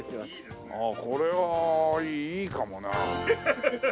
これはいいかもな。